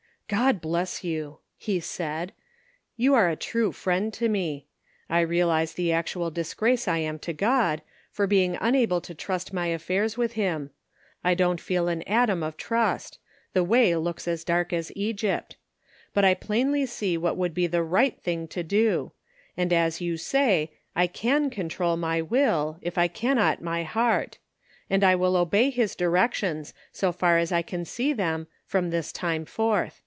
" God bless you !" he said ;" you are a true friend to me. I realize the actual dis grace I am to God, for being unable to trust my affairs with him ; I don't feel an atom of trust, the way looks as dark as Egypt; but 410 The Pocket Measure. I plainly see what would be the right thing to do ; and as you say, I can control my will, if I cannot my heart ; and I will obey his directions, so far as I can see them from this time forth.